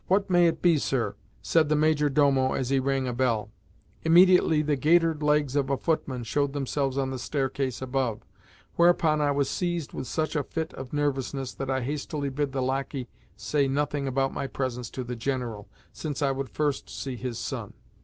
What may it be, sir?" said the major domo as he rang a bell. Immediately the gaitered legs of a footman showed themselves on the staircase above; whereupon I was seized with such a fit of nervousness that I hastily bid the lacquey say nothing about my presence to the General, since I would first see his son.